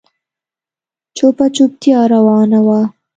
چوپه چوپتيا روانه وه.